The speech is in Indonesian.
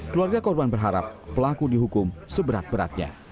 keluarga korban berharap pelaku dihukum seberat beratnya